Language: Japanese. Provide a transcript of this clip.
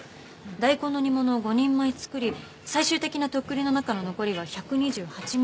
大根の煮物を５人前作り最終的なとっくりの中の残りは１２８ミリリットル。